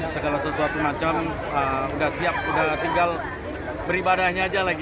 segala sesuatu macam udah siap udah tinggal beribadahnya aja lagi